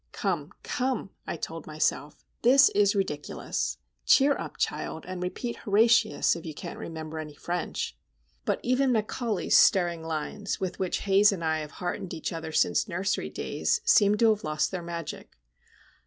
"Come, come," I told myself. "This is ridiculous! Cheer up, child, and repeat Horatius, if you can't remember any French." But even Macaulay's stirring lines, with which Haze and I have heartened each other since nursery days, seemed to have lost their magic.